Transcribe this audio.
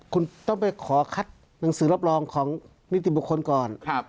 คุณต้องไปขอคัดหนังสือรับรองของนิติบุคคลก่อน